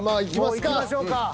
もういきましょうか。